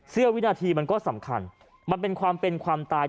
เสื้อวินาทีมันก็สำคัญมันเป็นความเป็นความตาย